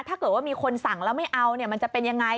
ถ้าเกิดว่ามีคนสั่งแล้วไม่เอามันจะเป็นยังไง